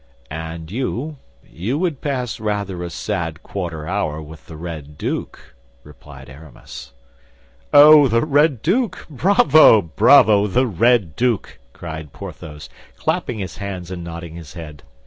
"And you—you would pass rather a sad quarter hour with the Red Duke," replied Aramis. "Oh, the Red Duke! Bravo! Bravo! The Red Duke!" cried Porthos, clapping his hands and nodding his head.